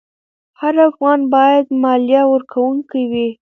هر افغان باید مالیه ورکوونکی وي.